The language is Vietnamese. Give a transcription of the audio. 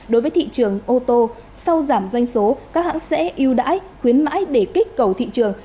đối với thị trường ô tô sau giảm doanh số các hãng sẽ ưu đãi khuyến mãi để kích cầu thị trường